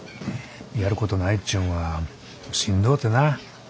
やることないっちゅうんはしんどうてなぁ。